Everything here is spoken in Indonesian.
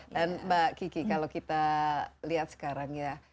dan mbak kiki kalau kita lihat sekarang ya